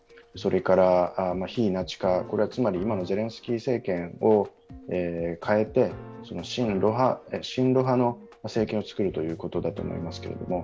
それから非ナチ化、これはつまり今のゼレンスキー政権をかえて変えて、親ロ派の政権を作るということだと思います。